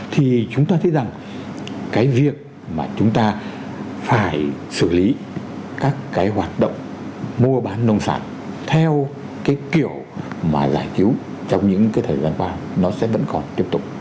thì chúng ta thấy rằng cái việc mà chúng ta phải xử lý các cái hoạt động mua bán nông sản theo cái kiểu mà giải cứu trong những cái thời gian qua nó sẽ vẫn còn tiếp tục